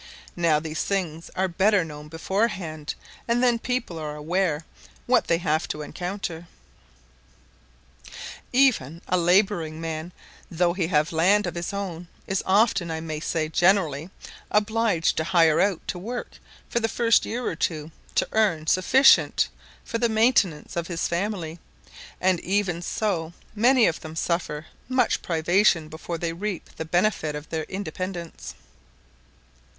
Now these things are better known beforehand, and then people are aware what they have to encounter. Even a labouring man, though he have land of his own, is often, I may say generally, obliged to hire out to work for the first year or two, to earn sufficient for the maintenance of his family; and even so many of them suffer much privation before they reap the benefit of their independence.